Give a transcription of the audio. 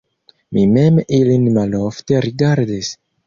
Mi mem ilin malofte rigardis.